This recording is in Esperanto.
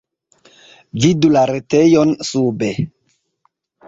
Vidu la retejon sube.